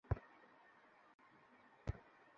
বিশেষ কিছু জিজ্ঞেস করা।